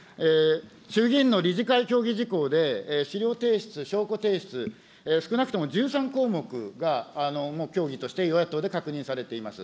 衆議院の理事会協議事項で資料提出、証拠提出、少なくとも１３項目が協議として与野党で確認されています。